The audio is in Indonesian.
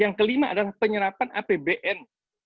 yang kelima adalah penyerapan apbn